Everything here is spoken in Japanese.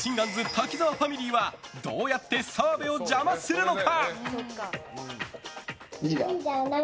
滝沢ファミリーはどうやって澤部を邪魔するのか。